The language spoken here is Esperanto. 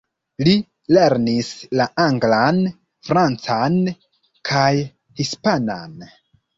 Li lernis la anglan, francan kaj hispanan.